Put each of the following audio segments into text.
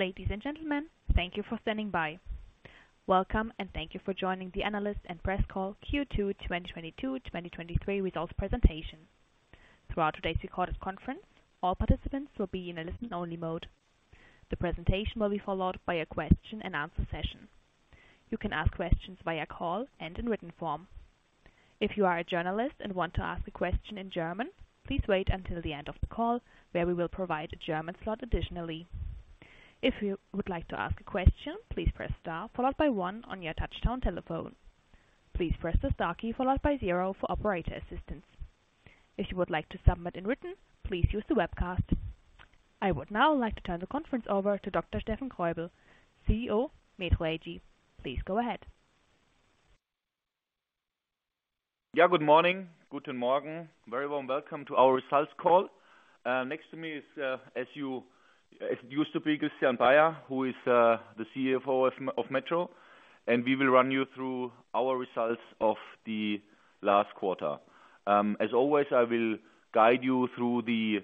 Ladies and gentlemen, thank you for standing by. Welcome and thank you for joining the analyst and press call Q2 2022/2023 results presentation. Throughout today's recorded conference, all participants will be in a listen-only mode. The presentation will be followed by a question-and-answer session. You can ask questions via call and in written form. If you are a journalist and want to ask a question in German, please wait until the end of the call, where we will provide a German slot additionally. If you would like to ask a question, please press star followed by one on your touch-tone telephone. Please press the star key followed by zero for operator assistance. If you would like to submit in written, please use the webcast. I would now like to turn the conference over to Dr. Steffen Greubel, CEO, Metro AG. Please go ahead. Good morning. Guten morgen. Very warm welcome to our results call. Next to me is, as it used to be Christian Baier, who is the CFO of Metro, we will run you through our results of the last quarter. As always, I will guide you through the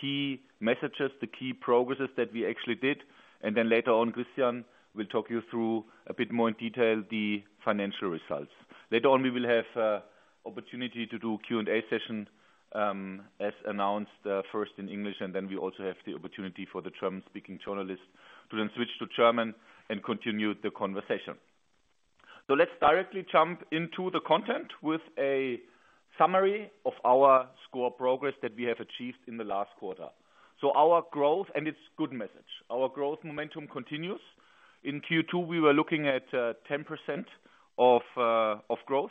key messages, the key progresses that we actually did, later on, Christian will talk you through a bit more in detail, the financial results. Later on, we will have opportunity to do Q&A session, as announced, first in English, we also have the opportunity for the German-speaking journalists to switch to German and continue the conversation. Let's directly jump into the content with a summary of our sCore progress that we have achieved in the last quarter. Our growth, and it's good message, our growth momentum continues. In Q2, we were looking at 10% of growth.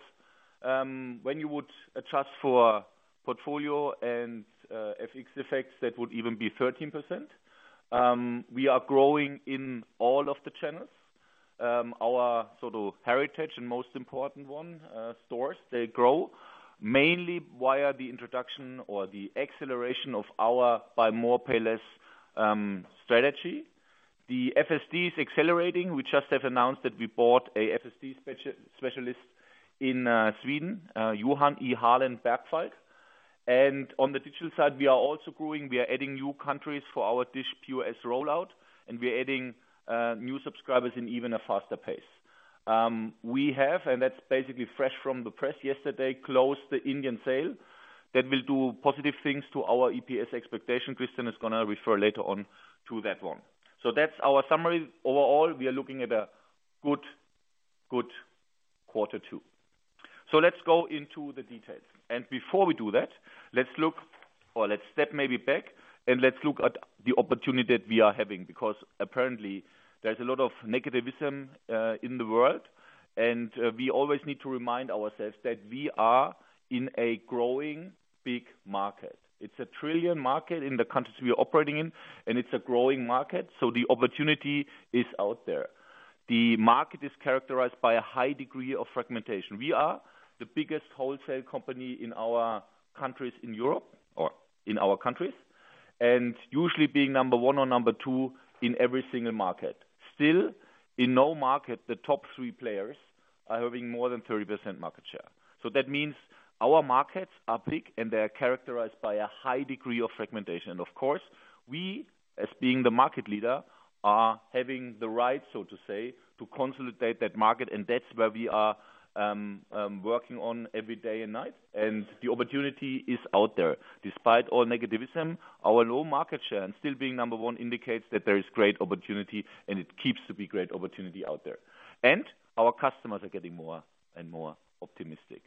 When you would adjust for portfolio and FX effects, that would even be 13%. We are growing in all of the channels. Our sort of heritage and most important one, stores, they grow mainly via the introduction or the acceleration of our Buy More, Pay Less strategy. The FSD is accelerating. We just have announced that we bought a FSD specialist in Sweden, Johan i Hallen & Bergfalk. On the digital side, we are also growing. We are adding new countries for our DISH POS rollout, and we are adding new subscribers in even a faster pace. We have, and that's basically fresh from the press yesterday, closed the Indian sale. That will do positive things to our EPS expectation. Christian is gonna refer later on to that one. That's our summary. Overall, we are looking at a good quarter two. Let's go into the details. Before we do that, let's look or let's step maybe back, and let's look at the opportunity that we are having. Because apparently there's a lot of negativism in the world, and we always need to remind ourselves that we are in a growing, big market. It's a trillion market in the countries we are operating in, and it's a growing market, the opportunity is out there. The market is characterized by a high degree of fragmentation. We are the biggest wholesale company in our countries in Europe or in our countries, and usually being number one or number two in every single market. In no market, the top three players are having more than 30% market share. That means our markets are big, and they are characterized by a high degree of fragmentation. We, as being the market leader, are having the right, so to say, to consolidate that market, and that's where we are working on every day and night, and the opportunity is out there. Despite all negativism, our low market share and still being number one indicates that there is great opportunity, and it keeps to be great opportunity out there. Our customers are getting more and more optimistic.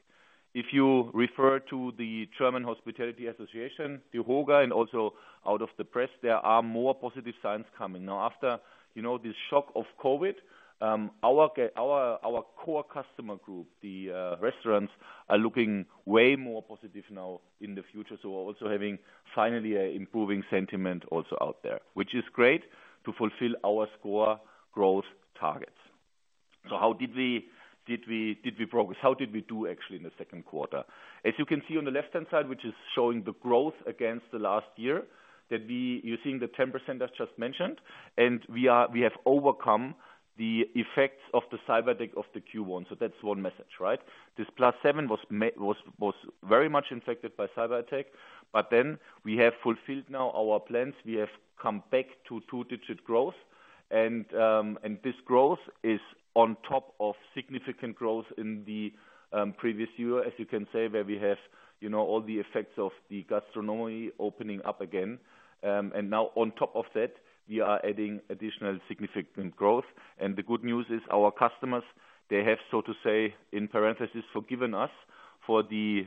If you refer to the German Hospitality Association, DEHOGA, and also out of the press, there are more positive signs coming. After, you know, the shock of COVID, our core customer group, the restaurants are looking way more positive now in the future. We're also having finally a improving sentiment also out there, which is great to fulfill our sCore growth targets. How did we progress? How did we do actually in the second quarter? As you can see on the left-hand side, which is showing the growth against the last year, that we, you're seeing the 10% as just mentioned, and we have overcome the effects of the cyberattack of the Q1. That's one message, right? This plus seven was very much infected by cyberattack, but then we have fulfilled now our plans. We have come back to two-digit growth and this growth is on top of significant growth in the previous year, as you can say, where we have, you know, all the effects of the gastronomy opening up again. Now on top of that, we are adding additional significant growth. The good news is our customers, they have, so to say, in parentheses, forgiven us for the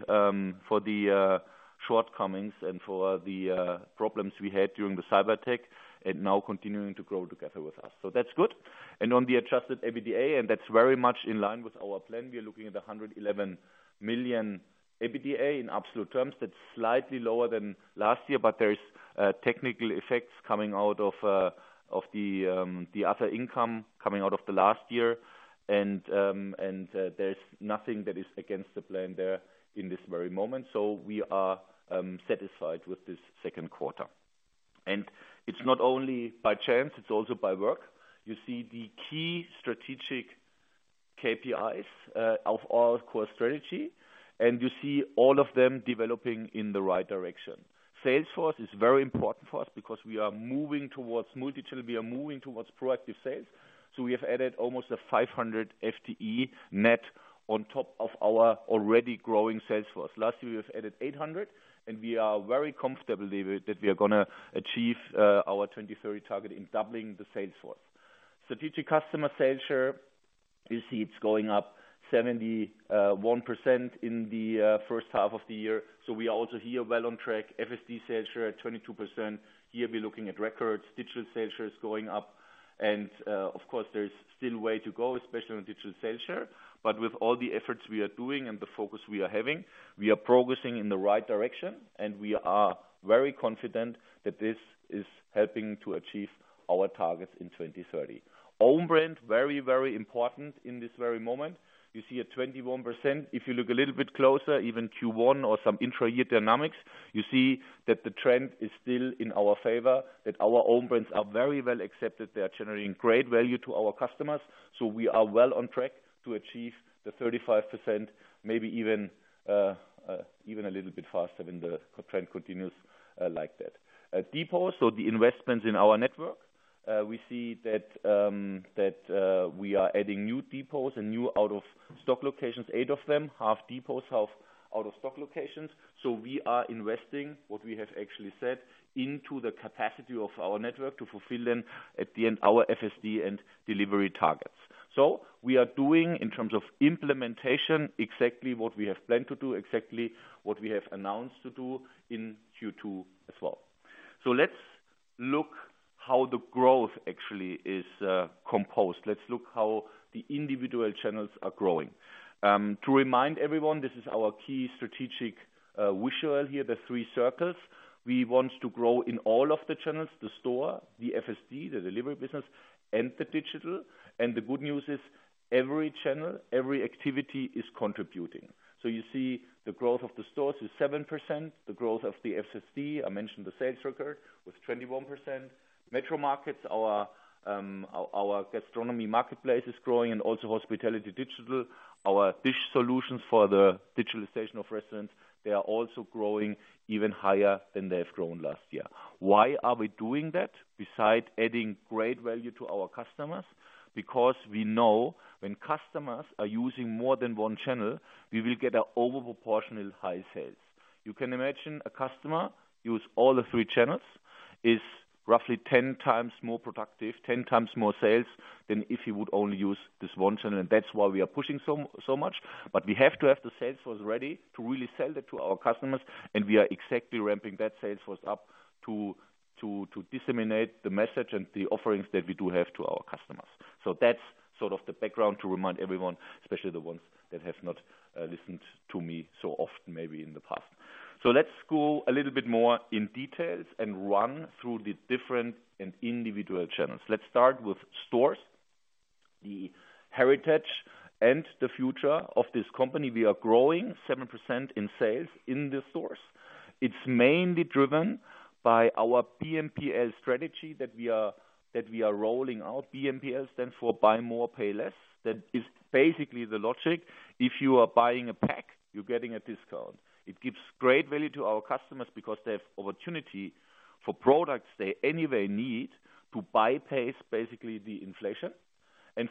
shortcomings and for the problems we had during the cyberattack and now continuing to grow together with us. That's good. On the adjusted EBITDA, and that's very much in line with our plan, we are looking at 111 million EBITDA in absolute terms. That's slightly lower than last year, but there is technical effects coming out of the other income coming out of the last year. There's nothing that is against the plan there in this very moment. We are satisfied with this second quarter. It's not only by chance, it's also by work. You see the key strategic-KPIs of our sCore strategy, and you see all of them developing in the right direction. Sales force is very important for us because we are moving towards multi-channel. We are moving towards proactive sales, so we have added almost a 500 FTE net on top of our already growing sales force. Last year, we have added 800, and we are very comfortable with that we are gonna achieve our 2030 target in doubling the sales force. Strategic customer sales share, you see it's going up 71% in the first half of the year. FSD sales share at 22%. Here we're looking at records. Digital sales share is going up. Of course, there is still way to go, especially on digital sales share. With all the efforts we are doing and the focus we are having, we are progressing in the right direction, and we are very confident that this is helping to achieve our targets in 2030. Own brand, very, very important in this very moment. You see a 21%. If you look a little bit closer, even Q1 or some intra-year dynamics, you see that the trend is still in our favor, that our own brands are very well accepted. They are generating great value to our customers. We are well on track to achieve the 35%, maybe even a little bit faster when the trend continues like that. Depots, so the investments in our network, we see that we are adding new depots and new out-of-stock locations, eight of them, half depots, half out-of-stock locations. We are investing what we have actually said into the capacity of our network to fulfill then at the end our FSD and delivery targets. We are doing in terms of implementation exactly what we have planned to do, exactly what we have announced to do in Q2 as well. Let's look how the growth actually is composed. Let's look how the individual channels are growing. To remind everyone, this is our key strategic visual here, the three circles. We want to grow in all of the channels, the store, the FSD, the delivery business, and the digital. The good news is every channel, every activity is contributing. You see the growth of the stores is 7%. The growth of the FSD, I mentioned the sales record, was 21%. METRO MARKETS, our gastronomy marketplace is growing and also hospitality digital. Our DISH solutions for the digitalization of restaurants, they are also growing even higher than they've grown last year. Why are we doing that besides adding great value to our customers? We know when customers are using more than one channel, we will get an over proportional high sales. You can imagine a customer use all the three channels is roughly 10x more productive, 10x more sales than if he would only use this one channel, that's why we are pushing so much. We have to have the sales force ready to really sell that to our customers, and we are exactly ramping that sales force up to disseminate the message and the offerings that we do have to our customers. That's sort of the background to remind everyone, especially the ones that have not listened to me so often maybe in the past. Let's go a little bit more in details and run through the different and individual channels. Let's start with stores, the heritage and the future of this company. We are growing 7% in sales in this stores. It's mainly driven by our BMPL strategy that we are rolling out. BMPL stands for Buy More, Pay Less. That is basically the logic. If you are buying a pack, you're getting a discount. It gives great value to our customers because they have opportunity for products they anyway need to bypass basically the inflation.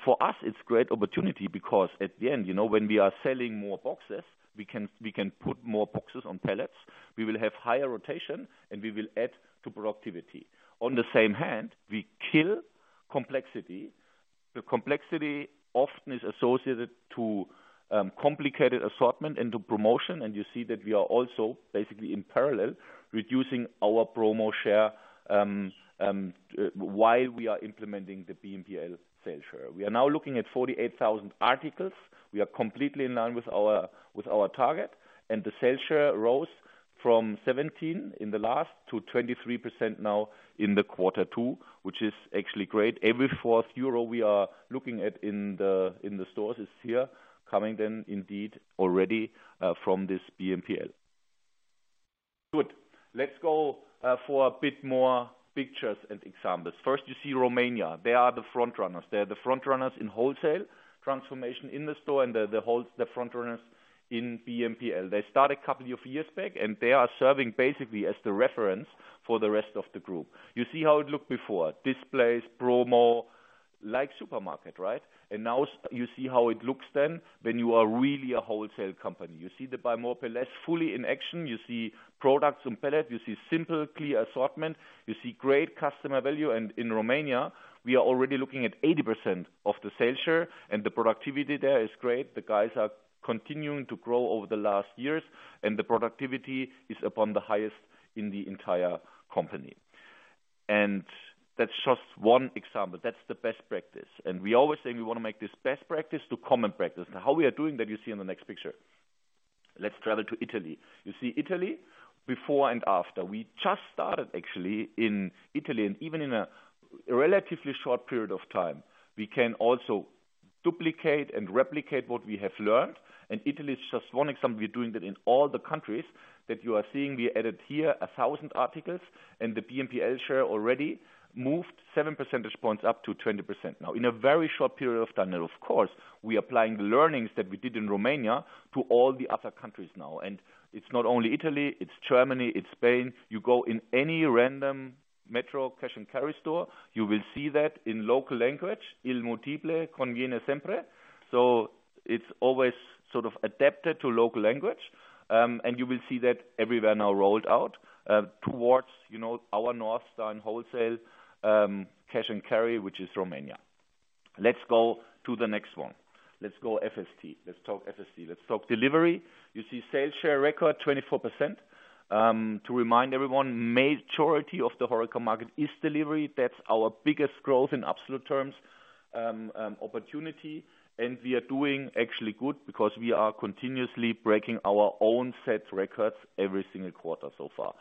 For us, it's great opportunity because at the end, you know, when we are selling more boxes, we can put more boxes on pallets. We will have higher rotation, and we will add to productivity. On the same hand, we kill complexity. The complexity often is associated to complicated assortment and to promotion, and you see that we are also basically in parallel reducing our promo share while we are implementing the BMPL sales share. We are now looking at 48,000 articles. We are completely in line with our, with our target. The sales share rose from 17% in the last to 23% now in the quarter two, which is actually great. Every fourth euro we are looking at in the stores is here coming then indeed already from this BMPL. Good. Let's go for a bit more pictures and examples. First, you see Romania. They are the front runners. They are the front runners in wholesale transformation in the store and they're the front runners in BMPL. They start a couple of years back. They are serving basically as the reference for the rest of the group. You see how it looked before. Displays, promo, like supermarket, right? Now you see how it looks then when you are really a wholesale company. You see the Buy More, Pay Less fully in action. You see products on pallet, you see simple, clear assortment, you see great customer value. In Romania, we are already looking at 80% of the sales share and the productivity there is great. The guys are continuing to grow over the last years, the productivity is upon the highest in the entire company. That's just one example. That's the best practice. We always say we wanna make this best practice to common practice. Now, how we are doing that, you see in the next picture. Let's travel to Italy. You see Italy before and after. We just started actually in Italy, even in a relatively short period of time, we can also duplicate and replicate what we have learned. Italy is just one example. We're doing that in all the countries that you are seeing. We added here 1,000 articles, the BMPL share already moved 7 percentage points up to 20% now in a very short period of time. Of course, we applying the learnings that we did in Romania to all the other countries now. It's not only Italy, it's Germany, it's Spain. You go in any random Metro cash and carry store, you will see that in local language, „Il multiplo conviene sempre." It's always sort of adapted to local language. You will see that everywhere now rolled out, towards, you know, our North Star in wholesale, cash and carry, which is Romania. Let's go to the next one. Let's go FSD. Let's talk FSD. Let's talk delivery. You see sales share record 24%. To remind everyone, majority of the HORECA market is delivery. That's our biggest growth in absolute terms, opportunity. We are doing actually good because we are continuously breaking our own set records every single quarter so far.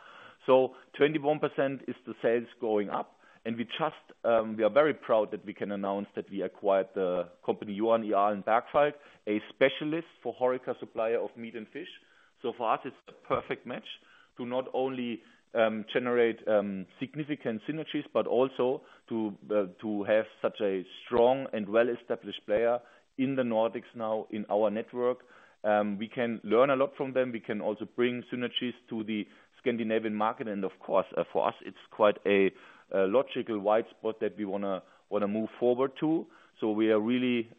21% is the sales going up. We just, we are very proud that we can announce that we acquired the company Johan i Hallen & Bergfalk, a specialist for HORECA supplier of meat and fish. For us, it's a perfect match to not only generate significant synergies, but also to have such a strong and well-established player in the Nordics now in our network. We can learn a lot from them. We can also bring synergies to the Scandinavian market. Of course, for us it's quite a logical white spot that we wanna move forward to. We are really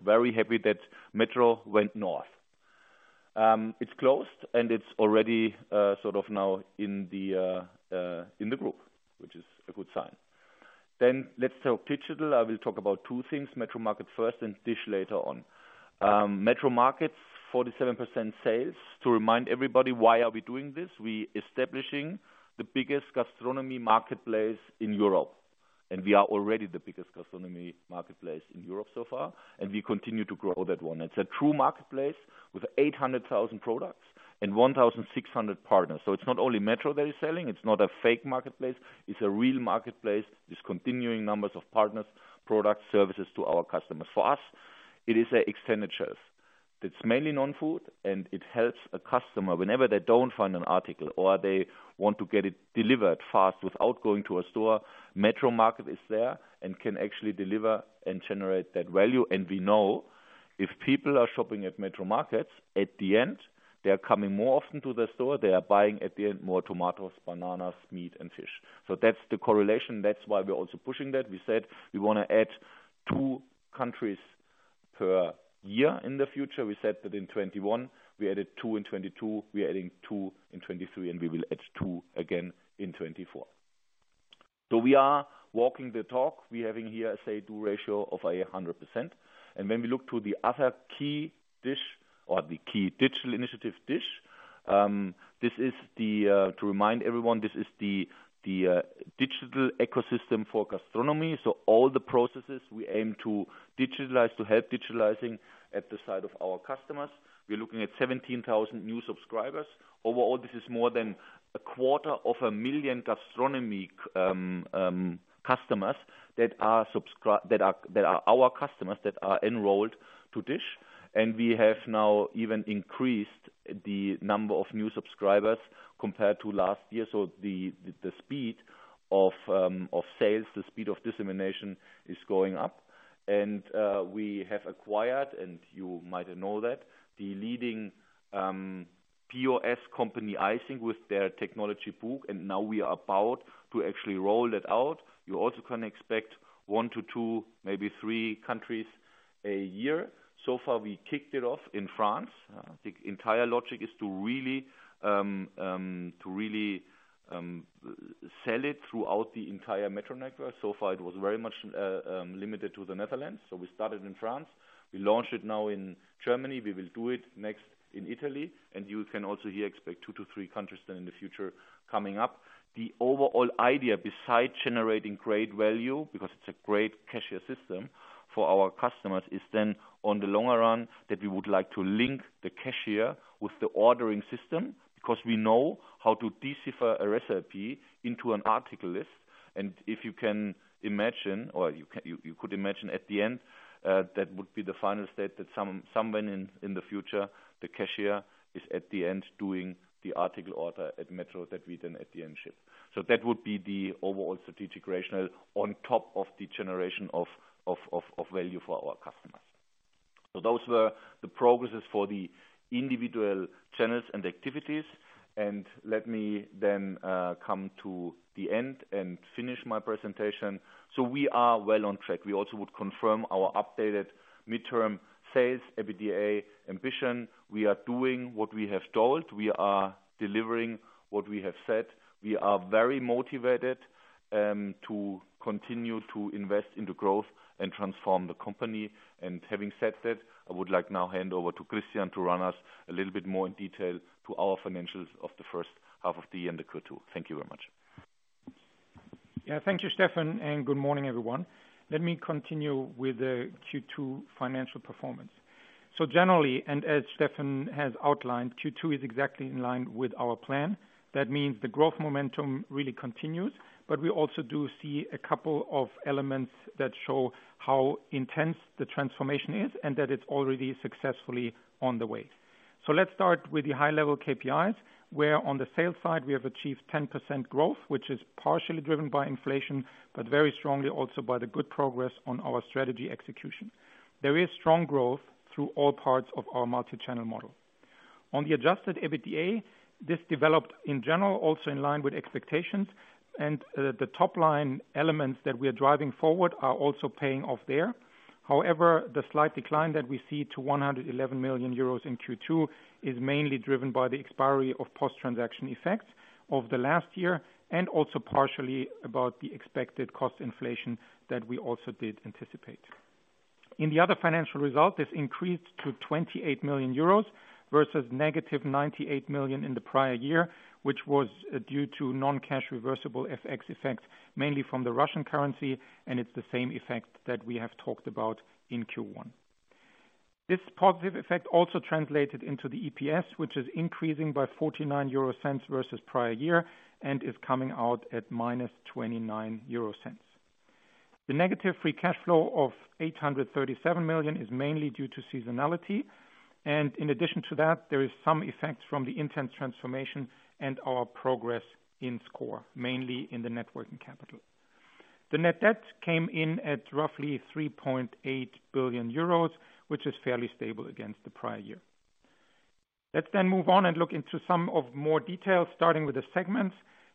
very happy that Metro went north. It's closed, and it's already now in the group, which is a good sign. Let's talk digital. I will talk about two things, METRO Markets first and DISH later on. METRO MARKETS, 47% sales. To remind everybody, why are we doing this? We establishing the biggest gastronomy marketplace in Europe, and we are already the biggest gastronomy marketplace in Europe so far, and we continue to grow that one. It's a true marketplace with 800,000 products and 1,600 partners. It's not only Metro that is selling, it's not a fake marketplace. It's a real marketplace. It's continuing numbers of partners, product, services to our customers. For us, it is an extended shelf that's mainly non-food, and it helps a customer whenever they don't find an article or they want to get it delivered fast without going to a store. METRO Market is there and can actually deliver and generate that value. We know if people are shopping at METRO Markets, at the end, they are coming more often to the store. They are buying at the end, more tomatoes, bananas, meat, and fish. That's the correlation. That's why we're also pushing that. We said we wanna add two countries per year in the future. We said that in 2021. We added two in 2022. We are adding two in 2023, and we will add two again in 2024. We are walking the talk. We are having here a say do ratio of 100%. When we look to the other key DISH or the key digital initiative DISH, this is to remind everyone, this is the digital ecosystem for gastronomy. All the processes we aim to digitalize, to help digitalizing at the side of our customers. We are looking at 17,000 new subscribers. Overall, this is more than a quarter of a million gastronomy customers that are our customers that are enrolled to DISH. We have now even increased the number of new subscribers compared to last year. The speed of sales, the speed of dissemination is going up. We have acquired, and you might know that, the leading POS company Eijsink with their technology booq, and now we are about to actually roll that out. You also can expect one to two, maybe three countries a year. Far, we kicked it off in France. The entire logic is to really sell it throughout the entire Metro network. Far, it was very much limited to the Netherlands. We started in France. We launched it now in Germany. We will do it next in Italy. You can also here expect two to three countries then in the future coming up. The overall idea besides generating great value, because it's a great cashier system for our customers, is then on the longer run that we would like to link the cashier with the ordering system because we know how to decipher a recipe into an article list. If you can imagine, or you could imagine at the end, that would be the final state that someone in the future, the cashier is at the end doing the article order at Metro that we then at the end ship. That would be the overall strategic rationale on top of the generation of value for our customers. Those were the progresses for the individual channels and activities. Let me then come to the end and finish my presentation. We are well on track. We also would confirm our updated midterm sales, EBITDA ambition. We are doing what we have told. We are delivering what we have said. We are very motivated to continue to invest in the growth and transform the company. Having said that, I would like now hand over to Christian to run us a little bit more in detail to our financials of the first half of the year and the Q2. Thank you very much. Yeah, thank you, Stefan, and good morning, everyone. Let me continue with the Q2 financial performance. Generally, and as Stefan has outlined, Q2 is exactly in line with our plan. That means the growth momentum really continues, but we also do see a couple of elements that show how intense the transformation is and that it's already successfully on the way. Let's start with the high level KPIs, where on the sales side we have achieved 10% growth, which is partially driven by inflation, but very strongly also by the good progress on our strategy execution. There is strong growth through all parts of our multi-channel model. On the adjusted EBITDA, this developed in general also in line with expectations. The top line elements that we are driving forward are also paying off there. The slight decline that we see to 111 million euros in Q2 is mainly driven by the expiry of post-transaction effects of the last year and also partially about the expected cost inflation that we also did anticipate. In the other financial result, this increased to 28 million euros versus -98 million in the prior year, which was due to non-cash reversible FX effects, mainly from the Russian currency, and it's the same effect that we have talked about in Q1. This positive effect also translated into the EPS, which is increasing by 0.49 versus prior year and is coming out at minus 0.29. The negative free cash flow of 837 million is mainly due to seasonality. In addition to that, there is some effect from the intense transformation and our progress in sCore, mainly in the net working capital. The net debt came in at roughly 3.8 billion euros, which is fairly stable against the prior year. Let's move on and look into some of more details, starting with the segments.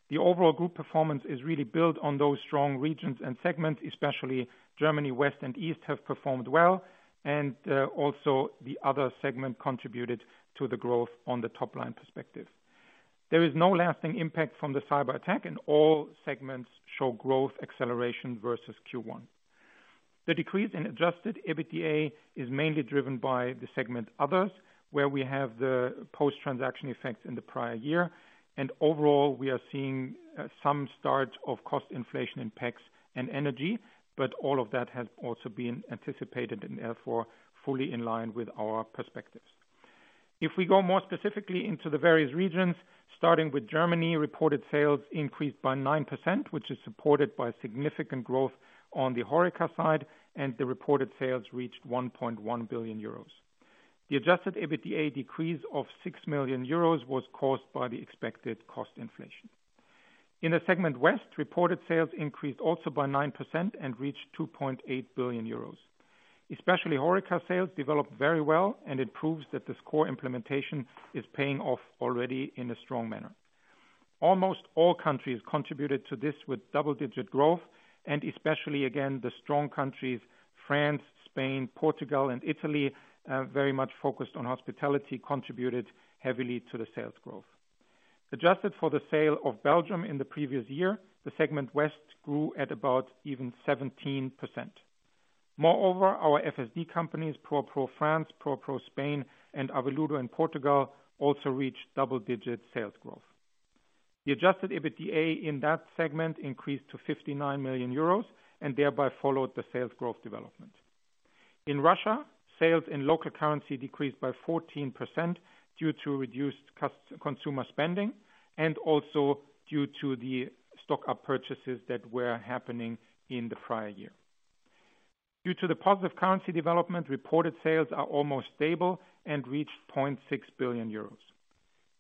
The overall group performance is really built on those strong regions and segments, especially Germany West and East have performed well. Also the other segment contributed to the growth on the top line perspective. There is no lasting impact from the cyberattack. All segments show growth acceleration versus Q1. The decrease in adjusted EBITDA is mainly driven by the segment Others, where we have the post-transaction effects in the prior year. Overall, we are seeing some start of cost inflation impacts and energy, but all of that has also been anticipated and therefore fully in line with our perspectives. If we go more specifically into the various regions, starting with Germany, reported sales increased by 9%, which is supported by significant growth on the HoReCa side, and the reported sales reached 1.1 billion euros. The adjusted EBITDA decrease of 6 million euros was caused by the expected cost inflation. In the segment West, reported sales increased also by 9% and reached 2.8 billion euros. Especially HoReCa sales developed very well, and it proves that the sCore implementation is paying off already in a strong manner. Almost all countries contributed to this with double-digit growth, especially again, the strong countries, France, Spain, Portugal and Italy, very much focused on hospitality, contributed heavily to the sales growth. Adjusted for the sale of Belgium in the previous year, the segment West grew at about even 17%. Moreover, our FSD companies, Pro à Pro France, Pro à Pro Spain, and Aviludo in Portugal also reached double-digit sales growth. The adjusted EBITDA in that segment increased to 59 million euros and thereby followed the sales growth development. In Russia, sales in local currency decreased by 14% due to reduced consumer spending and also due to the stock-up purchases that were happening in the prior year. Due to the positive currency development, reported sales are almost stable and reached 0.6 billion euros.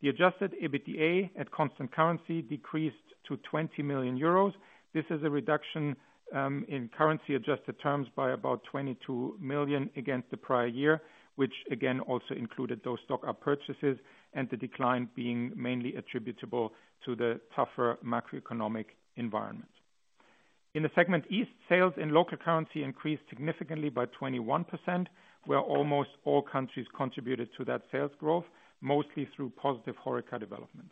The adjusted EBITDA at constant currency decreased to 20 million euros. This is a reduction in currency-adjusted terms by about 22 million against the prior year, which again also included those stock-up purchases and the decline being mainly attributable to the tougher macroeconomic environment. In the segment East, sales in local currency increased significantly by 21%, where almost all countries contributed to that sales growth, mostly through positive HoReCa development.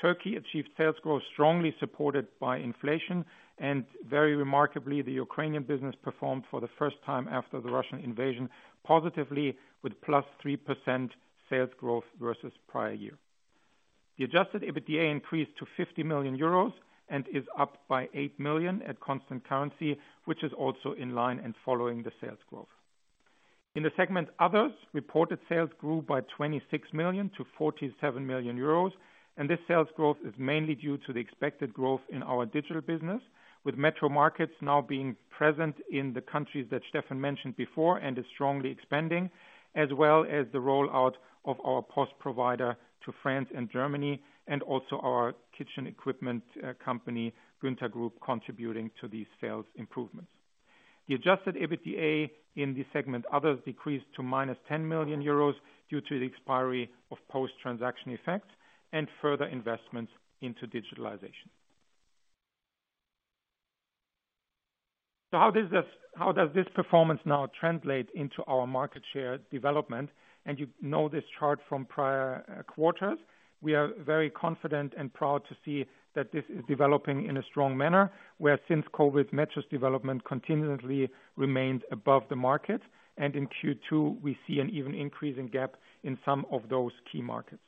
Turkey achieved sales growth strongly supported by inflation, and very remarkably, the Ukrainian business performed for the first time after the Russian invasion positively with +3% sales growth versus prior year. The adjusted EBITDA increased to 50 million euros and is up by 8 million at constant currency, which is also in line and following the sales growth. In the segment Others, reported sales grew by 26 million-47 million euros. This sales growth is mainly due to the expected growth in our digital business, with METRO MARKETS now being present in the countries that Stefan mentioned before and is strongly expanding, as well as the rollout of our POS provider to France and Germany and also our kitchen equipment company, Günther Group, contributing to these sales improvements. The adjusted EBITDA in the segment Others decreased to minus 10 million euros due to the expiry of post-transaction effects and further investments into digitalization. How does this performance now translate into our market share development? You know this chart from prior quarters. We are very confident and proud to see that this is developing in a strong manner, where since COVID, Metro's development continually remains above the market, and in Q2, we see an even increasing gap in some of those key markets.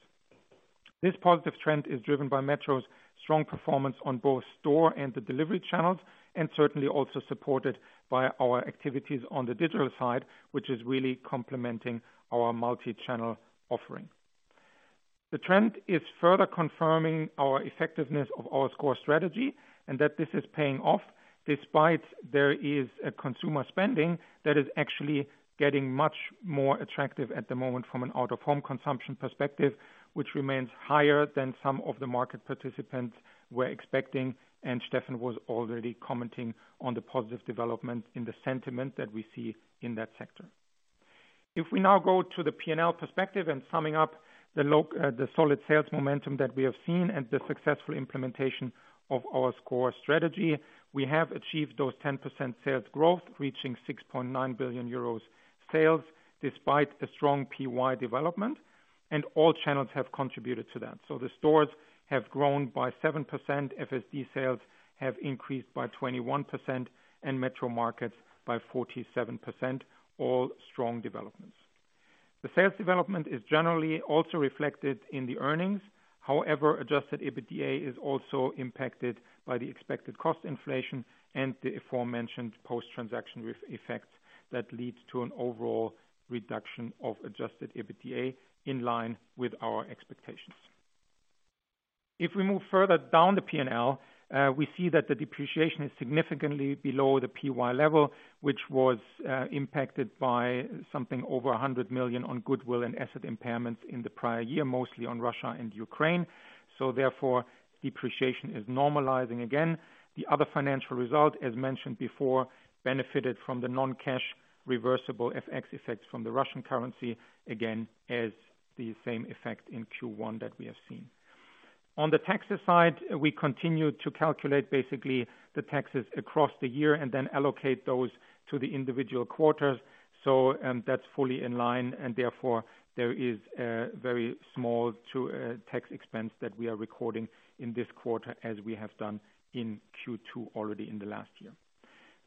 This positive trend is driven by Metro's strong performance on both store and the delivery channels, and certainly also supported by our activities on the digital side, which is really complementing our multi-channel offering. The trend is further confirming our effectiveness of our core strategy and that this is paying off despite there is a consumer spending that is actually getting much more attractive at the moment from an out-of-home consumption perspective, which remains higher than some of the market participants were expecting. Steffen was already commenting on the positive development in the sentiment that we see in that sector. We now go to the P&L perspective. Summing up the solid sales momentum that we have seen and the successful implementation of our sCore strategy, we have achieved those 10% sales growth, reaching 6.9 billion euros sales despite a strong PY development. All channels have contributed to that. The stores have grown by 7%, FSD sales have increased by 21% and METRO MARKETS by 47%. All strong developments. The sales development is generally also reflected in the earnings. Adjusted EBITDA is also impacted by the expected cost inflation and the aforementioned post-transaction with effects that lead to an overall reduction of adjusted EBITDA in line with our expectations. If we move further down the P&L, we see that the depreciation is significantly below the PY level, which was impacted by something over 100 million on goodwill and asset impairments in the prior year, mostly on Russia and Ukraine. Therefore, depreciation is normalizing again. The other financial result, as mentioned before, benefited from the non-cash reversible FX effects from the Russian currency, again, as the same effect in Q1 that we have seen. On the taxes side, we continue to calculate basically the taxes across the year and then allocate those to the individual quarters. That's fully in line and therefore there is a very small tax expense that we are recording in this quarter, as we have done in Q2 already in the last year.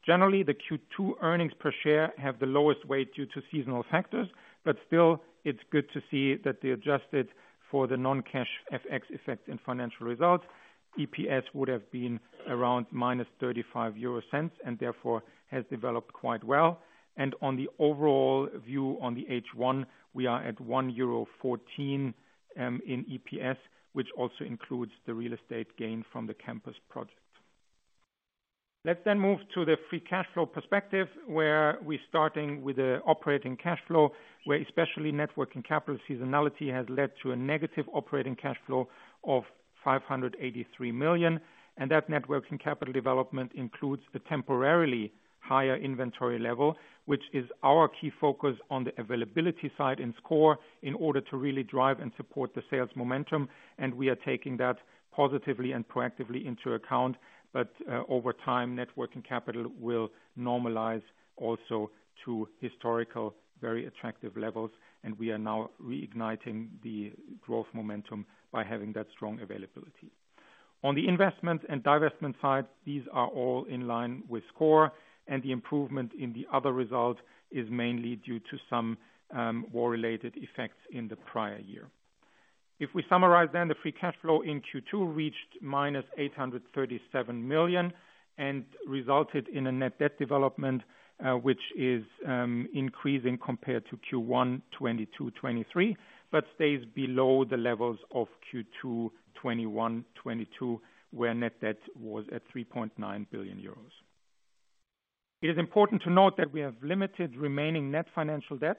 Generally, the Q2 earnings per share have the lowest weight due to seasonal factors. Still it's good to see that they adjusted for the non-cash FX effect in financial results. EPS would have been around minus 0.35 and therefore has developed quite well. On the overall view, on the H1, we are at 1.14 euro in EPS, which also includes the real estate gain from the campus project. Let's move to the free cash flow perspective, where we're starting with the operating cash flow, where especially net working capital seasonality has led to a negative operating cash flow of 583 million. That net working capital development includes the temporarily higher inventory level, which is our key focus on the availability side in sCore in order to really drive and support the sales momentum. We are taking that positively and proactively into account. Over time, net working capital will normalize also to historical, very attractive levels, and we are now reigniting the growth momentum by having that strong availability. On the investment and divestment side, these are all in line with sCore, and the improvement in the other results is mainly due to some war-related effects in the prior year. If we summarize then, the free cash flow in Q2 reached -837 million and resulted in a net debt development, which is increasing compared to Q1 2022-2023, but stays below the levels of Q2 2021-2022, where net debt was at 3.9 billion euros. It is important to note that we have limited remaining net financial debt.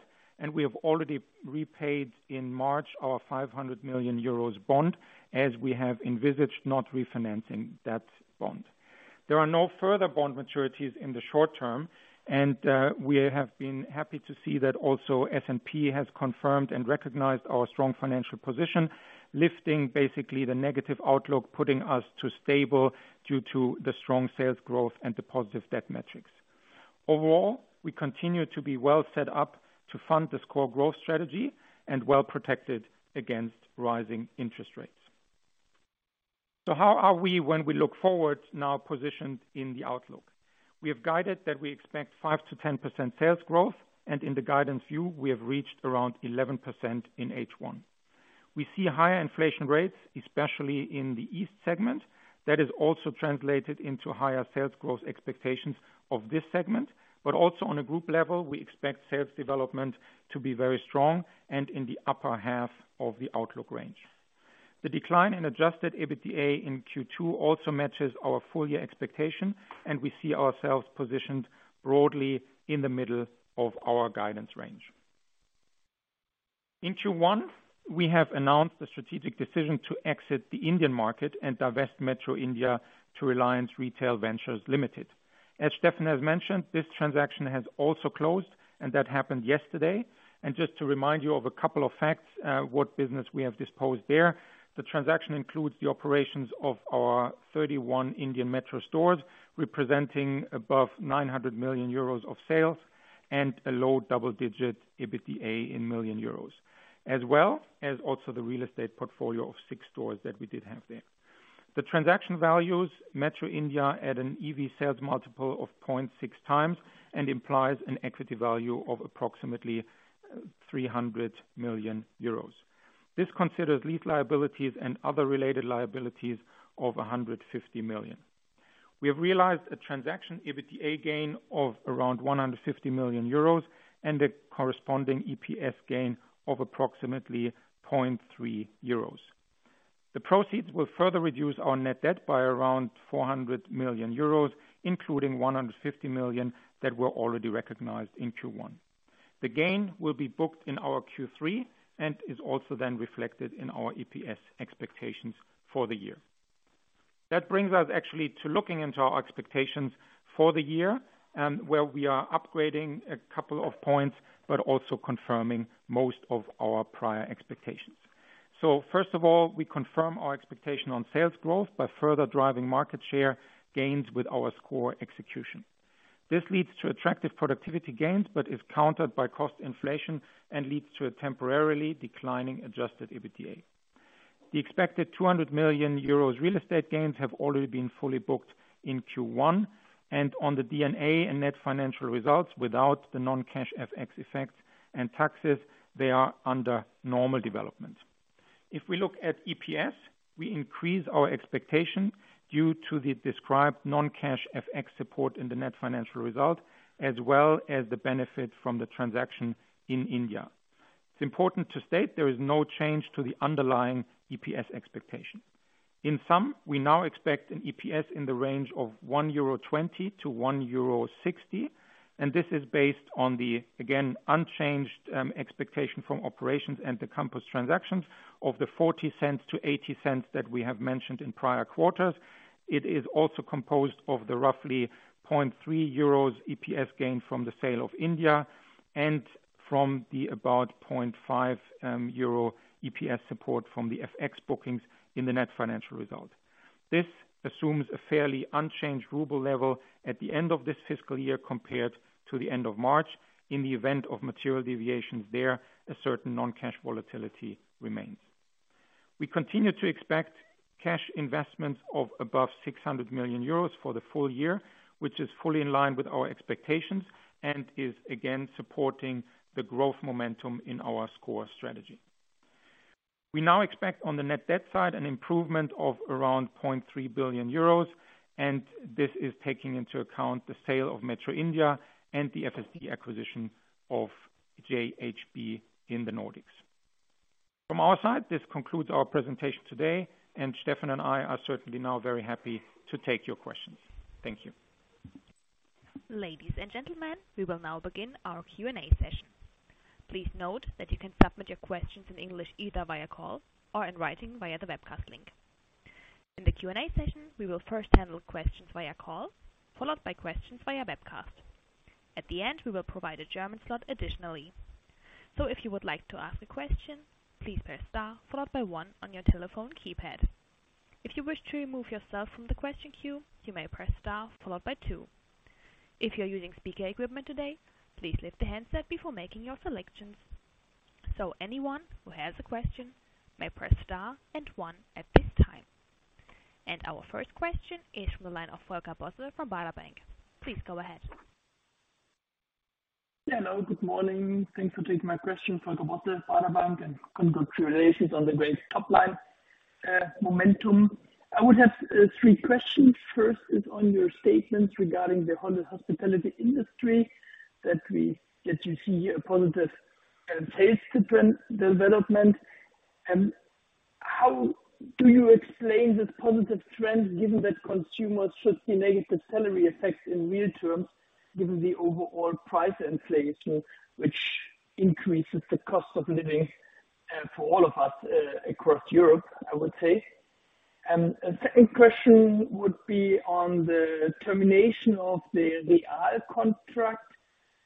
We have already repaid in March our 500 million euros bond, as we have envisaged not refinancing that bond. There are no further bond maturities in the short term. We have been happy to see that also S&P has confirmed and recognized our strong financial position, lifting basically the negative outlook, putting us to stable due to the strong sales growth and the positive debt metrics. Overall, we continue to be well set up to fund the sCore growth strategy and well protected against rising interest rates. How are we when we look forward now positioned in the outlook? We have guided that we expect 5%-10% sales growth. In the guidance view, we have reached around 11% in H1. We see higher inflation rates, especially in the East segment. That is also translated into higher sales growth expectations of this segment. Also on a group level, we expect sales development to be very strong and in the upper half of the outlook range. The decline in adjusted EBITDA in Q2 also matches our full year expectation, and we see ourselves positioned broadly in the middle of our guidance range. In Q1, we have announced the strategic decision to exit the Indian market and divest Metro India to Reliance Retail Ventures Limited. As Steffen has mentioned, this transaction has also closed and that happened yesterday. Just to remind you of a couple of facts, what business we have disposed there. The transaction includes the operations of our 31 Indian Metro stores, representing above 900 million euros of sales and a low double-digit EBITDA in million EUR, as well as also the real estate portfolio of 6 stores that we did have there. The transaction values Metro India at an EV sales multiple of 0.6x and implies an equity value of approximately 300 million euros. This considers lease liabilities and other related liabilities of 150 million. We have realized a transaction EBITDA gain of around 150 million euros and a corresponding EPS gain of approximately 0.3 euros. The proceeds will further reduce our net debt by around 400 million euros, including 150 million that were already recognized in Q1. The gain will be booked in our Q3 and is also then reflected in our EPS expectations for the year. That brings us actually to looking into our expectations for the year, where we are upgrading a couple of points, but also confirming most of our prior expectations. First of all, we confirm our expectation on sales growth by further driving market share gains with our core execution. This leads to attractive productivity gains, but is countered by cost inflation and leads to a temporarily declining adjusted EBITDA. The expected 200 million euros real estate gains have already been fully booked in Q1 and on the D&A and net financial results without the non-cash FX effect and taxes, they are under normal development. If we look at EPS, we increase our expectation due to the described non-cash FX support in the net financial result, as well as the benefit from the transaction in India. It's important to state there is no change to the underlying EPS expectation. In sum, we now expect an EPS in the range of 1.20-1.60 euro, this is based on the again, unchanged expectation from operations and the campus transactions of 0.40-0.80 that we have mentioned in prior quarters. It is also composed of the roughly 0.3 euros EPS gain from the sale of India and from the about 0.5 euro EPS support from the FX bookings in the net financial result. This assumes a fairly unchanged ruble level at the end of this fiscal year compared to the end of March. In the event of material deviations there, a certain non-cash volatility remains. We continue to expect cash investments of above 600 million euros for the full year, which is fully in line with our expectations and is again supporting the growth momentum in our sCore strategy. We now expect on the net debt side an improvement of around 0.3 billion euros, and this is taking into account the sale of Metro India and the FSD acquisition of JHB in the Nordics. From our side, this concludes our presentation today, and Stefan and I are certainly now very happy to take your questions. Thank you. Ladies and gentlemen, we will now begin our Q&A session. Please note that you can submit your questions in English either via call or in writing via the webcast link. In the Q&A session, we will first handle questions via call, followed by questions via webcast. At the end, we will provide a German slot additionally. If you would like to ask a question, please press star followed by one on your telephone keypad. If you wish to remove yourself from the question queue, you may press star followed by two. If you're using speaker equipment today, please lift the handset before making your selections. Anyone who has a question may press star and one at this time. Our first question is from the line of Volker Bosse from Baader Bank. Please go ahead. Hello, good morning. Thanks for taking my question. Volker Bosse, Baader Bank. Congratulations on the great top line momentum. I would have three questions. First is on your statements regarding the whole hospitality industry that you see a positive sales trend development. How do you explain this positive trend given that consumers should see negative salary effects in real terms, given the overall price inflation, which increases the cost of living for all of us across Europe, I would say? A second question would be on the termination of the Real contract,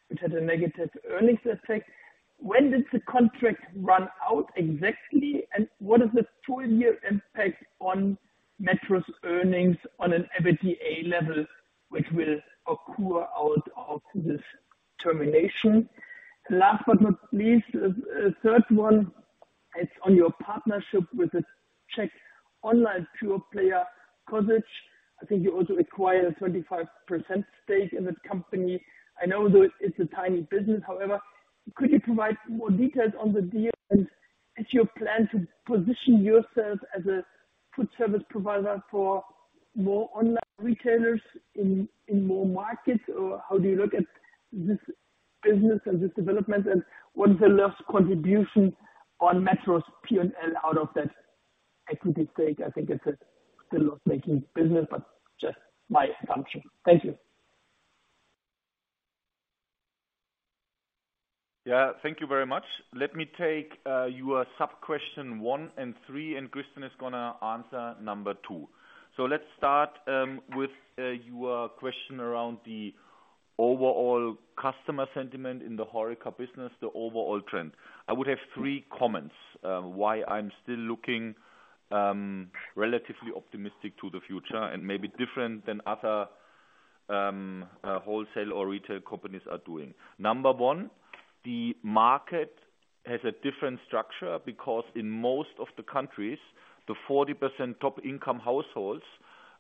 which had a negative earnings effect. When does the contract run out exactly? What is the full year impact on Metro's earnings on an EBITDA level, which will occur out of this termination? Last but not least, a third one is on your partnership with the Czech online pure player, Košík. I think you also acquire a 25% stake in that company. I know that it's a tiny business. However, could you provide more details on the deal? Is your plan to position yourself as a food service provider for more online retailers in more markets? How do you look at this business and this development? What is the last contribution on Metro's P&L out of that equity stake? I think it's a still loss-making business, but just my assumption. Thank you. Thank you very much. Let me take your sub-question one and three, and Christian is gonna answer number two. Let's start with your question around the overall customer sentiment in the HoReCa business, the overall trend. I would have three comments why I'm still looking relatively optimistic to the future and maybe different than other wholesale or retail companies are doing. Number one, the market has a different structure because in most of the countries, the 40% top income households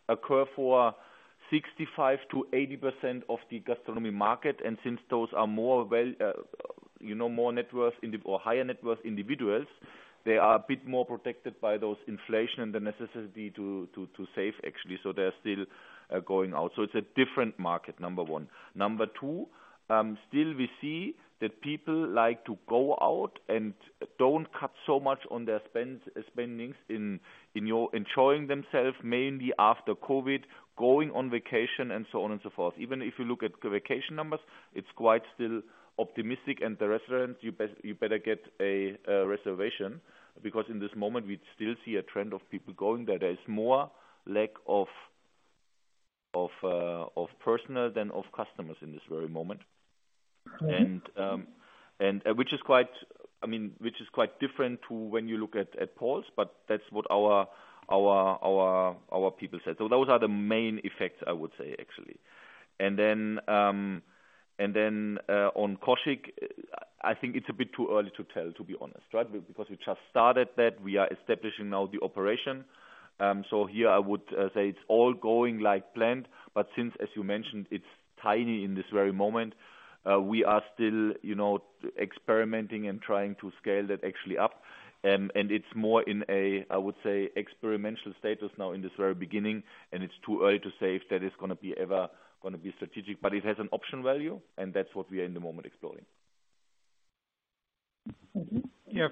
occur for 65%-80% of the gastronomy market. Since those are more well, you know, more net worth or higher net worth individuals, they are a bit more protected by those inflation and the necessity to save actually. They're still going out. It's a different market, number one. Number two, still we see that people like to go out and don't cut so much on their spendings in your enjoying themselves, mainly after COVID, going on vacation and so on and so forth. Even if you look at the vacation numbers, it's quite still optimistic and the restaurant, you best, you better get a reservation. In this moment, we still see a trend of people going there. There is more lack of personnel than of customers in this very moment. Mm-hmm. Which is quite, I mean, which is quite different to when you look at polls, but that's what our people said. Those are the main effects I would say actually. Then on Košík, I think it's a bit too early to tell, to be honest, right? Because we just started that, we are establishing now the operation. So here I would say it's all going like planned. Since, as you mentioned, it's tiny in this very moment, we are still, you know, experimenting and trying to scale that actually up. It's more in a, I would say, experimental status now in this very beginning, and it's too early to say if that is gonna be ever gonna be strategic. It has an option value, and that's what we are in the moment exploring. Mm-hmm.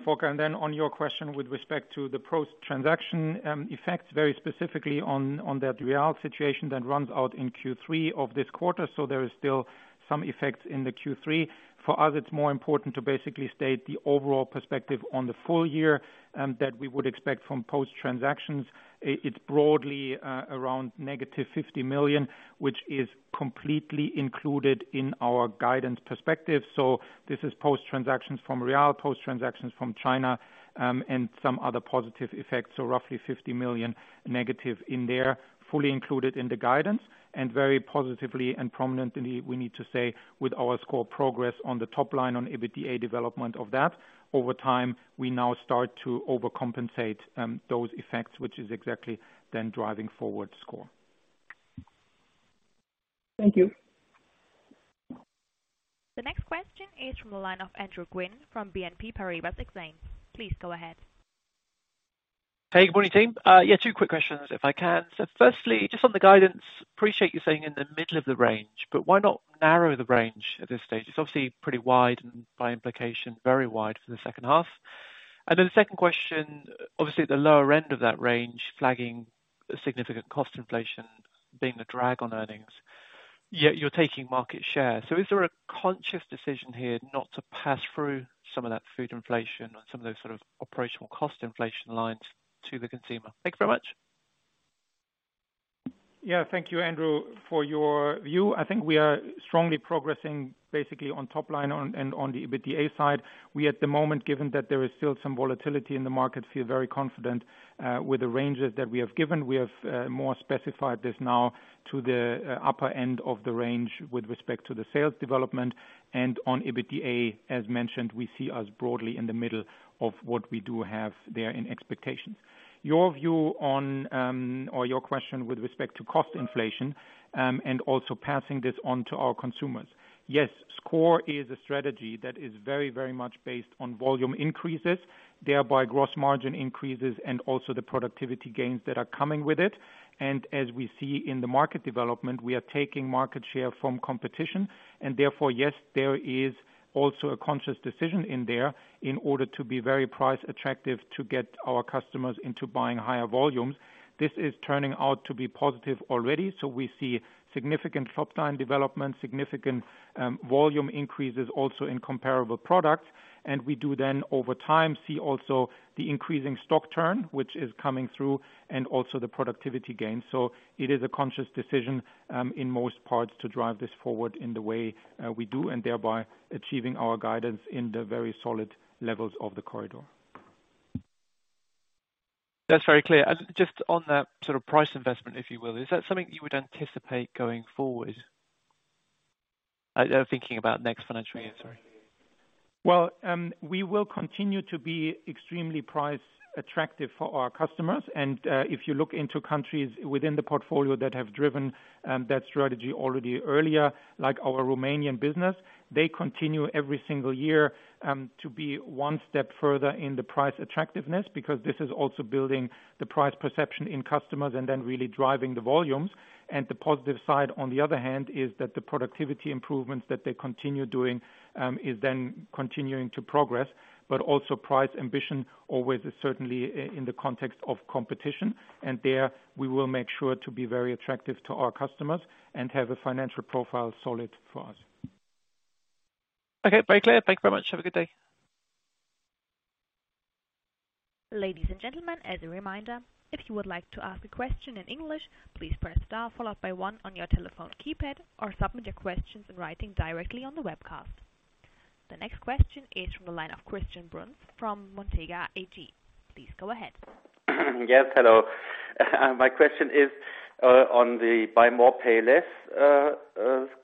Volker, on your question with respect to the post-transaction effects, very specifically on that Real situation that runs out in Q3 of this quarter. There is still some effects in the Q3. For us, it's more important to basically state the overall perspective on the full year that we would expect from post-transactions. It's broadly around -50 million, which is completely included in our guidance perspective. This is post-transactions from Real, post-transactions from China, and some other positive effects. Roughly -50 million in there, fully included in the guidance. Very positively and prominently, we need to say, with our sCore progress on the top line on EBITDA development of that. Over time, we now start to overcompensate those effects, which is exactly driving forward sCore. Thank you. The next question is from the line of Andrew Gwynn from BNP Paribas Exane. Please go ahead. Hey, good morning, team. Yeah, two quick questions if I can. Firstly, just on the guidance, appreciate you saying in the middle of the range, but why not narrow the range at this stage? It's obviously pretty wide and by implication, very wide for the second half. The second question, obviously the lower end of that range flagging a significant cost inflation being the drag on earnings, yet you're taking market share. Is there a conscious decision here not to pass through some of that food inflation or some of those sort of operational cost inflation lines to the consumer? Thank you very much. Thank you, Andrew, for your view. I think we are strongly progressing basically on top line and on the EBITDA side. We at the moment, given that there is still some volatility in the market, feel very confident with the ranges that we have given. We have more specified this now to the upper end of the range with respect to the sales development. On EBITDA, as mentioned, we see us broadly in the middle of what we do have there in expectations. Your view on, or your question with respect to cost inflation, and also passing this on to our consumers. sCore is a strategy that is very, very much based on volume increases, thereby gross margin increases and also the productivity gains that are coming with it. As we see in the market development, we are taking market share from competition. Therefore, yes, there is also a conscious decision in there in order to be very price attractive to get our customers into buying higher volumes. This is turning out to be positive already. We see significant top line development, significant volume increases also in comparable products. We do then over time see also the increasing stock turn, which is coming through, and also the productivity gains. It is a conscious decision in most parts to drive this forward in the way we do, and thereby achieving our guidance in the very solid levels of the corridor. That's very clear. Just on that sort of price investment, if you will, is that something you would anticipate going forward? I'm thinking about next financial year, sorry. Well, we will continue to be extremely price attractive for our customers. If you look into countries within the portfolio that have driven that strategy already earlier, like our Romanian business, they continue every single year to be one step further in the price attractiveness because this is also building the price perception in customers and then really driving the volumes. The positive side, on the other hand, is that the productivity improvements that they continue doing is then continuing to progress. Also price ambition always is certainly in the context of competition. There we will make sure to be very attractive to our customers and have a financial profile solid for us. Okay, very clear. Thank you very much. Have a good day. Ladies and gentlemen, as a reminder, if you would like to ask a question in English, please press star followed by one on your telephone keypad or submit your questions in writing directly on the webcast. The next question is from the line of Christian Bruns from Montega AG. Please go ahead. Yes, hello. My question is, on the Buy More, Pay Less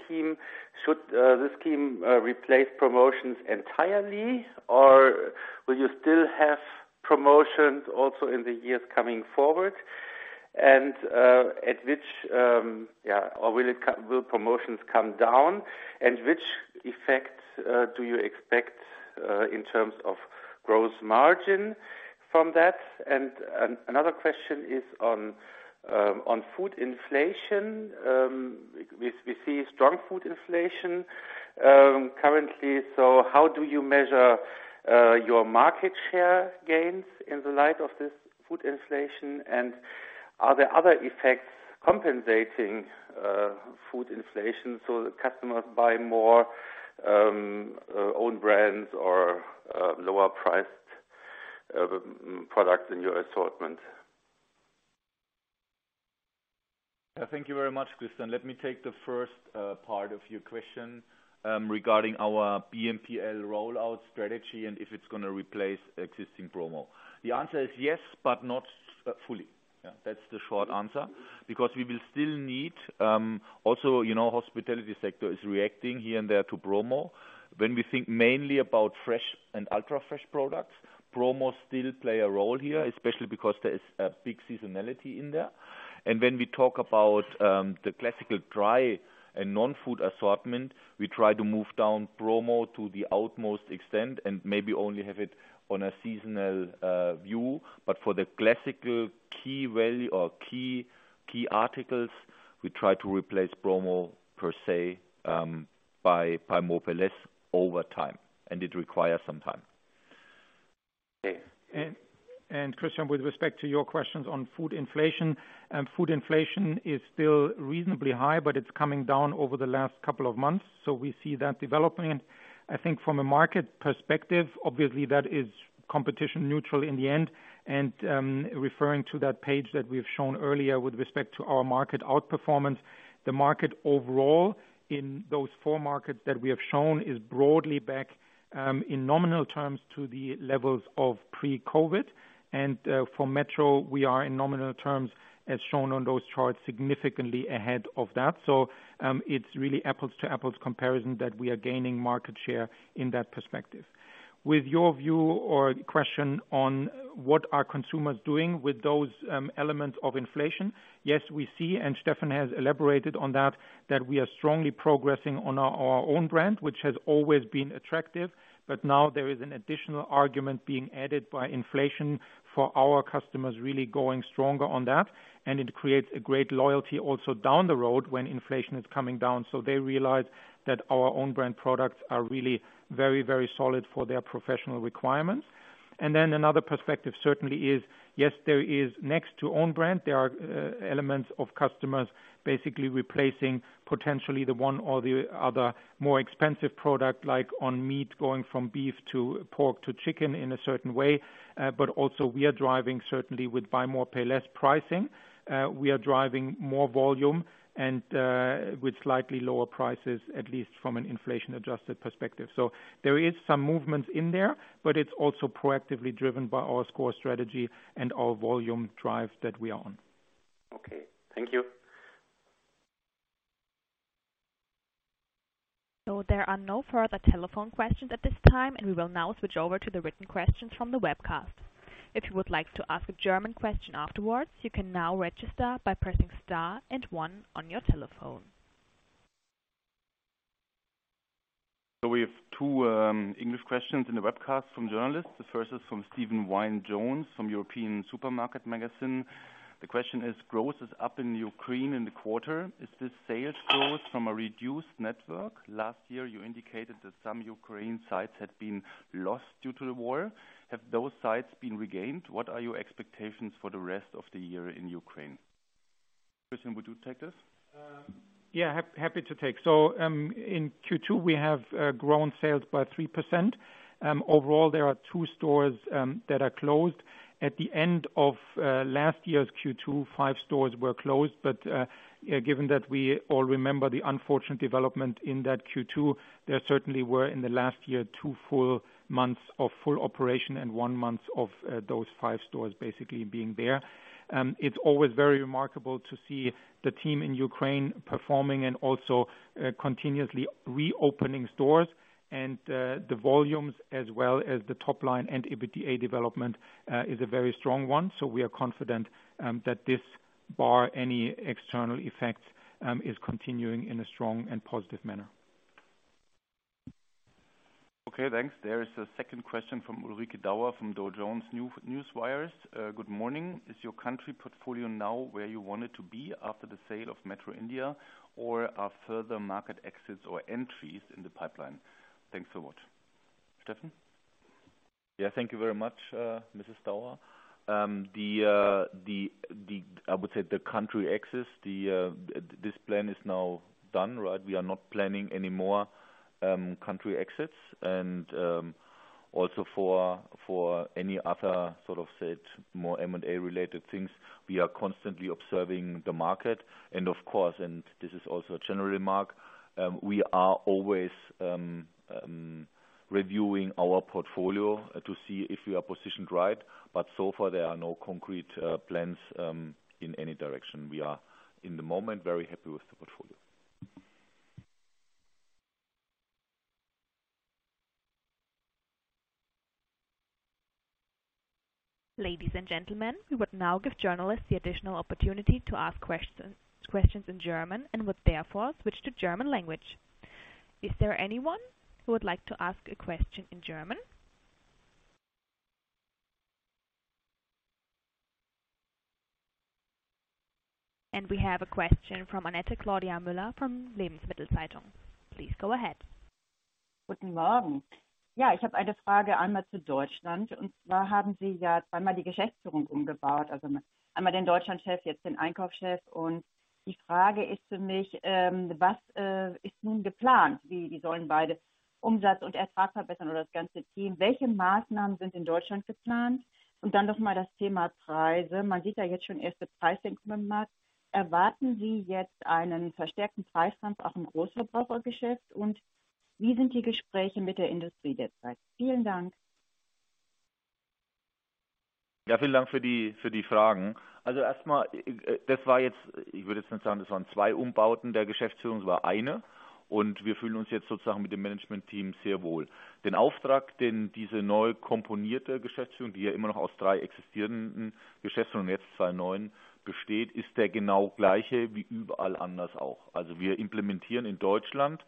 scheme. Should the scheme replace promotions entirely, or will you still have promotions also in the years coming forward? At which, or will promotions come down? Which effects do you expect in terms of gross margin from that? Another question is on food inflation. We see strong food inflation currently, so how do you measure your market share gains in the light of this food inflation? Are there other effects compensating food inflation for the customers buying more own brands or lower priced products in your assortment? Thank you very much, Christian. Let me take the first part of your question regarding our BMPL rollout strategy and if it's gonna replace existing promo. The answer is yes, but not fully. That's the short answer. We will still need, also, you know, hospitality sector is reacting here and there to promo. When we think mainly about fresh and ultra-fresh products, promos still play a role here, especially because there is a big seasonality in there. When we talk about the classical dry and non-food assortment, we try to move down promo to the outmost extent and maybe only have it on a seasonal view. For the classical key value or key articles, we try to replace promo per se by Buy More, Pay Less over time, and it requires some time. Okay. Christian, with respect to your questions on food inflation, food inflation is still reasonably high, but it's coming down over the last couple of months. We see that developing. I think from a market perspective, obviously that is competition neutral in the end. Referring to that page that we've shown earlier with respect to our market outperformance, the market overall in those four markets that we have shown is broadly back in nominal terms to the levels of pre-COVID. For Metro, we are in nominal terms, as shown on those charts, significantly ahead of that. It's really apples to apples comparison that we are gaining market share in that perspective. With your view or question on what are consumers doing with those elements of inflation, yes, we see, Stefan has elaborated on that we are strongly progressing on our own brand, which has always been attractive. Now there is an additional argument being added by inflation for our customers really going stronger on that, and it creates a great loyalty also down the road when inflation is coming down. They realize that our own brand products are really very, very solid for their professional requirements. Another perspective certainly is, yes, there is next to own brand, there are elements of customers basically replacing potentially the one or the other more expensive product, like on meat, going from beef to pork to chicken in a certain way. Also we are driving certainly with Buy More, Pay Less pricing. We are driving more volume and with slightly lower prices, at least from an inflation-adjusted perspective. There is some movement in there, but it's also proactively driven by our sCore strategy and our volume drive that we are on. Okay. Thank you. There are no further telephone questions at this time, and we will now switch over to the written questions from the webcast. If you would like to ask a German question afterwards, you can now register by pressing star and 1 on your telephone. We have two English questions in the webcast from journalists. The first is from Stephen Wynne-Jones from European Supermarket Magazine. The question is, "Growth is up in Ukraine in the quarter. Is this sales growth from a reduced network? Last year, you indicated that some Ukraine sites had been lost due to the war. Have those sites been regained? What are your expectations for the rest of the year in Ukraine?" Christian, would you take this? Yeah, happy to take. In Q2, we have grown sales by 3%. Overall, there are tw0 stores that are closed. At the end of last year's Q2, 5 stores were closed. Yeah, given that we all remember the unfortunate development in that Q2, there certainly were in the last year, two full months of full operation and one month of those five stores basically being there. It's always very remarkable to see the team in Ukraine performing and also continuously reopening stores and the volumes as well as the top line and EBITDA development is a very strong one. We are confident that this bar any external effect is continuing in a strong and positive manner. Okay, thanks. There is a second question from Ulrike Dauer from Dow Jones Newswires. "Good morning. Is your country portfolio now where you want it to be after the sale of Metro India or are further market exits or entries in the pipeline? Thanks for that." Stefan? Yeah. Thank you very much, Mrs. Dauer. The, the, I would say, the country exits, this plan is now done, right? We are not planning any more country exits. Also for any other sort of said more M&A related things, we are constantly observing the market and of course, and this is also a general remark, we are always reviewing our portfolio to see if we are positioned right. So far there are no concrete plans in any direction. We are in the moment very happy with the portfolio. Ladies and gentlemen, we would now give journalists the additional opportunity to ask questions in German and would therefore switch to German language. Is there anyone who would like to ask a question in German? We have a question from Annette Claudia Müller from Lebensmittelzeitung. Please go ahead. Guten Morgen. Ja, ich habe eine Frage einmal zu Deutschland, und zwar haben Sie ja zweimal die Geschäftsführung umgebaut, also einmal den Deutschlandchef, jetzt den Einkaufschef. Die Frage ist für mich, was ist nun geplant? Wie sollen beide Umsatz und Ertrag verbessern oder das ganze Team? Welche Maßnahmen sind in Deutschland geplant? Dann noch mal das Thema Preise. Man sieht ja jetzt schon erste Preissenkungen im Markt. Erwarten Sie jetzt einen verstärkten Preiskampf auch im Großverbrauchergeschäft? Wie sind die Gespräche mit der Industrie derzeit? Vielen Dank. Vielen Dank für die Fragen. Erst mal, das war jetzt, ich würde jetzt nicht sagen, das waren zwei Umbauten der Geschäftsführung. Es war eine. Wir fühlen uns jetzt sozusagen mit dem Managementteam sehr wohl. Den Auftrag, den diese neu komponierte Geschäftsführung, die ja immer noch aus drei existierenden Geschäftsführungen und jetzt zwei neuen besteht, ist der genau gleiche wie überall anders auch. Wir implementieren in Deutschland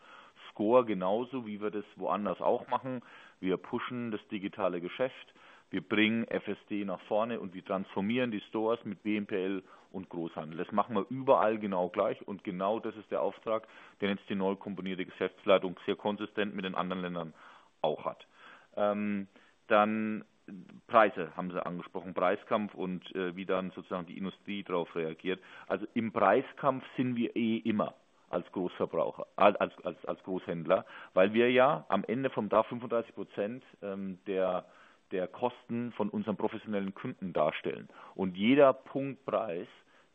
sCore genauso wie wir das woanders auch machen. Wir pushen das digitale Geschäft, wir bringen FSD nach vorne und wir transformieren die Stores mit BMPL und Großhandel. Das machen wir überall genau gleich. Genau das ist der Auftrag, den jetzt die neu komponierte Geschäftsleitung sehr konsistent mit den anderen Ländern auch hat. Preise haben Sie angesprochen, Preiskampf und wie dann sozusagen die Industrie darauf reagiert. Im Preiskampf sind wir eh immer als Großverbraucher, als Großhändler, weil wir ja am Ende vom Tag 35% der Kosten von unseren professionellen Kunden darstellen. Jeder Punkt Preis,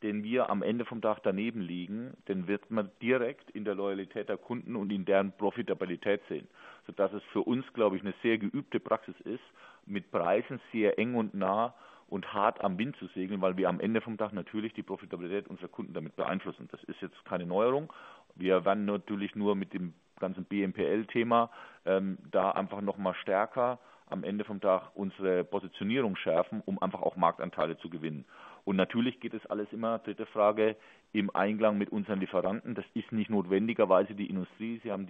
den wir am Ende vom Tag daneben liegen, den wird man direkt in der Loyalität der Kunden und in deren Profitabilität sehen, sodass es für uns, glaube ich, eine sehr geübte Praxis ist, mit Preisen sehr eng und nah und hart am Wind zu segeln, weil wir am Ende vom Tag natürlich die Profitabilität unserer Kunden damit beeinflussen. Das ist jetzt keine Neuerung. Wir werden natürlich nur mit dem ganzen BMPL-Thema da einfach noch mal stärker am Ende vom Tag unsere Positionierung schärfen, um einfach auch Marktanteile zu gewinnen. Natürlich geht das alles immer, dritte Frage, im Einklang mit unseren Lieferanten. Das ist nicht notwendigerweise die Industrie. Sie haben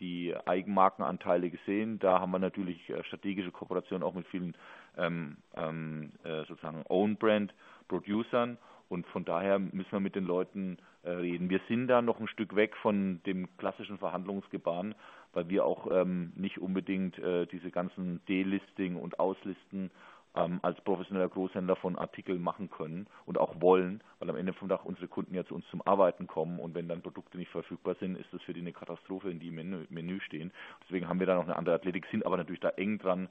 die Eigenmarkenanteile gesehen. Da haben wir natürlich strategische Kooperationen auch mit vielen, sozusagen Own Brand Producern. Und von daher müssen wir mit den Leuten, reden. Wir sind da noch ein Stück weg von dem klassischen Verhandlungsgebaren, weil wir auch, nicht unbedingt, diese ganzen Delisting und Auslisten, als professioneller Großhändler von Artikeln machen können und auch wollen, weil am Ende vom Tag unsere Kunden ja zu uns zum Arbeiten kommen und wenn dann Produkte nicht verfügbar sind, ist das für die eine Katastrophe, die im Menü stehen. Deswegen haben wir da noch eine andere Athletik, sind aber natürlich da eng dran,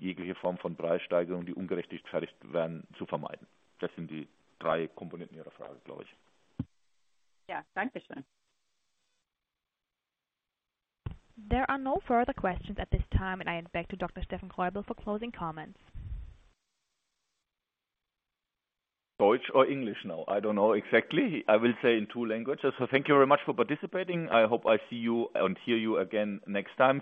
jegliche Form von Preissteigerungen, die ungerechtfertigt wären, zu vermeiden. Das sind die drei Komponenten Ihrer Frage, glaube ich. Ja, danke schön. There are no further questions at this time. I hand back to Dr. Steffen Greubel for closing comments. Deutsch or English now? I don't know exactly. I will say in two languages. Thank you very much for participating. I hope I see you and hear you again next time.